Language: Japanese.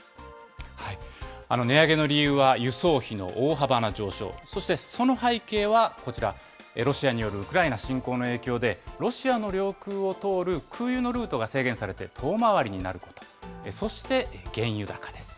値上げの理由は、輸送費の大幅な上昇、そしてその背景はこちら、ロシアによるウクライナ侵攻の影響で、ロシアの領空を通る空輸のルートが制限されて、遠回りになること、そして原油高です。